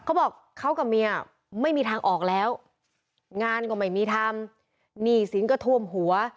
เขาบอกเขากับเมียไม่มีทางออกแล้วงานก็ไม่มีทำหนี้สินก็ท่วมหัว